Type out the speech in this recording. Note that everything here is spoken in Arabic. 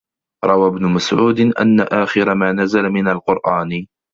رَوَى ابْنُ مَسْعُودٍ أَنَّ آخِرَ مَا نَزَلَ مِنْ الْقُرْآنِ